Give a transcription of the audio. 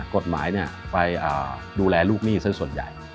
กฎหมายไปดูแลลูกหนี้ซะส่วนใหญ่